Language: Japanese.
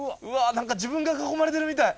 何か自分が囲まれてるみたい。